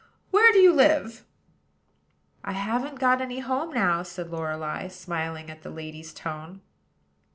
"Where do you live?" "I haven't got any home now," said Lorelei, smiling at the lady's tone.